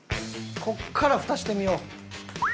ここから蓋してみよう。